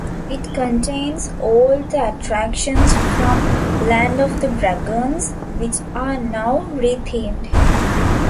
It contains all the attractions from Land of the Dragons which are now re-themed.